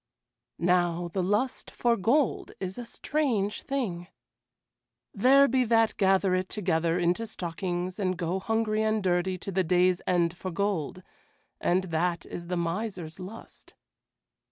Now the lust for gold is a strange thing. There be that gather it together into stockings and go hungry and dirty to the day's end for gold, and that is the miser's lust.